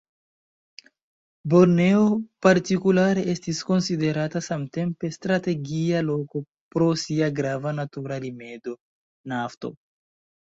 Borneo partikulare estis konsiderata samtempe strategia loko pro sia grava natura rimedo; nafto.